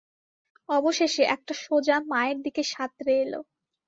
অবশেষে, একটা সোজা মায়ের দিকে সাঁতরে এলো।